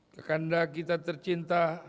kekanda kita tercinta